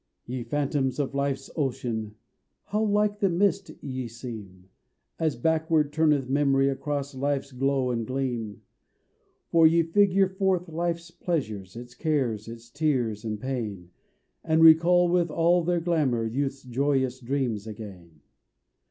Ye phantoms on Life's ocean! how like the mist ye seem, As backward turneth memory across Life's glow and gleam! For ye figure forth Life's pleasures, its cares, its tears and pain, And recall with all their glamour Youth's joyous dreams again!